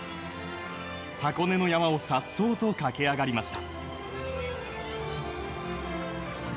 箱根の山を颯爽と駆け上がりました。